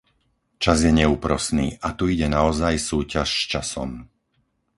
Čas je neúprosný a tu ide naozaj súťaž s časom.